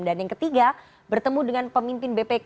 dan yang ketiga bertemu dengan pemimpin bpk